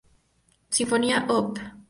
Sinfonía Op.